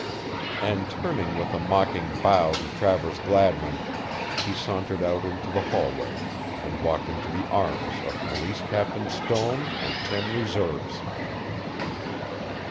And turning with a mocking bow to Travers Gladwin, he sauntered out into the hallway and walked into the arms of Police Captain Stone and ten reserves.